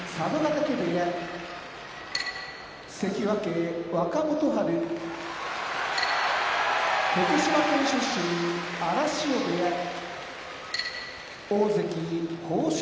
嶽部屋関脇・若元春福島県出身荒汐部屋大関豊昇